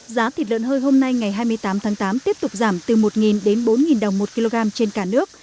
giá thịt lợn hơi hôm nay ngày hai mươi tám tháng tám tiếp tục giảm từ một đến bốn đồng một kg trên cả nước